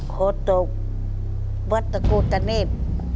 คตกวัดตะโกตะเนศ